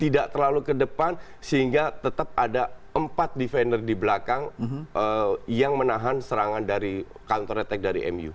tidak terlalu ke depan sehingga tetap ada empat defender di belakang yang menahan serangan dari counter attack dari mu